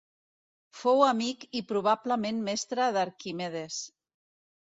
Fou amic i probablement mestre d'Arquimedes.